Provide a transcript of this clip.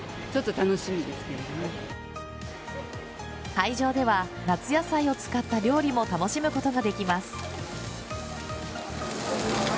会場では夏野菜を使った料理も楽しむことができます。